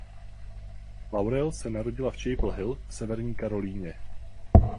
Laurel se narodila v Chapel Hill v Severní Karolíně.